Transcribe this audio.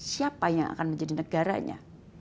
siapa yang akan menjadi negaranya